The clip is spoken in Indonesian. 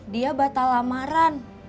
dia batal amaran